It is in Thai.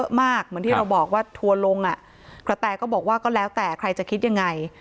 เหมือนที่เราบอกว่าทัวร์ลงอ่ะกระแตก็บอกว่าก็แล้วแต่ใครจะคิดยังไง